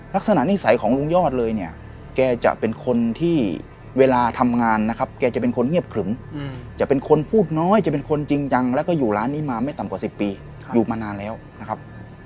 ลักษณะนิสัยของลุงยอดเลยเนี่ยแกจะเป็นคนที่เวลาทำงานนะครับแกจะเป็นคนเงียบขึมจะเป็นคนพูดน้อยจะเป็นคนจริงจังแล้วก็อยู่ร้านนี้มาไม่ต่ำกว่า๑๐ปีอยู่มานานแล้วนะครับ